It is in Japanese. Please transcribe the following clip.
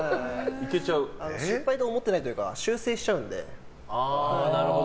失敗と思ってないというか修正しちゃうので。